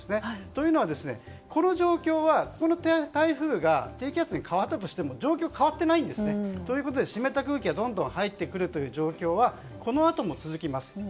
というのは、この状況はこの台風が低気圧に変わったとしても状況は変わっていないんですね。ということで湿った空気がどんどん入ってくるという状況はこのあとも続きます。